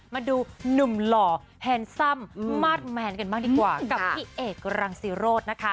มาดูหนุ่มหล่อแฮนซัมมาสแมนกันบ้างดีกว่ากับพี่เอกรังสิโรธนะคะ